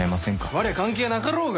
「われ関係なかろうが！？」